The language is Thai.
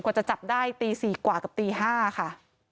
กว่าจะจับได้ตีสี่กว่ากับตีห้าค่ะ